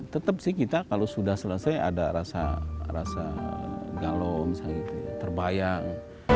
tetap sih kita kalau sudah selesai ada rasa galum terbayang